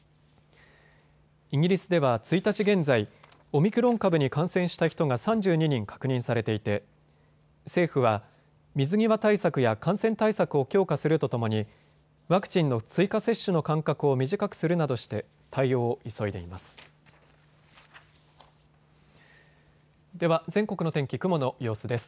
イギリスでは１日現在、オミクロン株に感染した人が３２人確認されていて政府は、水際対策や感染対策を強化するとともにワクチンの追加接種の間隔を短くするなどして対応を急いでいます。